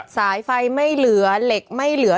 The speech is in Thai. สายไฟยังไม่เหลือ